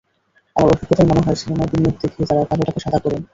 আমার অভিজ্ঞতায় মনে হয়, সিনেমায় বিনিয়োগ দেখিয়ে তাঁরা কালো টাকা সাদা করেন।